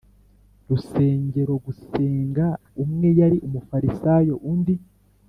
rusengero gusenga umwe yari Umufarisayo undi